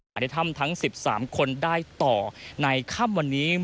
ในถ้ำทั้ง๑๓คนได้ต่อในค่ำวันนี้